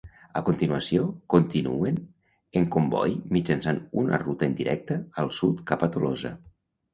A continuació, continuen en comboi mitjançant una ruta indirecta al sud cap a Tolosa.